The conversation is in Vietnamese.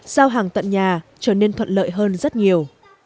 giao hàng tận nhà trở nên thuận lợi hơn rất nhiều